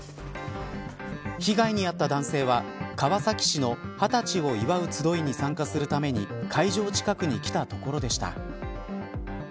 被害に遭った男性は川崎市の二十歳を祝うつどいに参加するために会場近くに来たところでした。